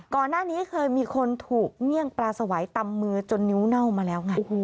ก่อนหน้านี้เคยมีคนถูกเมี่ยงปลาสวัยตำมือจนนิ้วเน่ามาแล้วไง